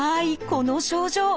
この症状。